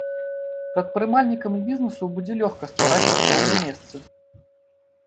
Прадпрымальнікам і бізнесу будзе лёгка ствараць працоўныя месцы.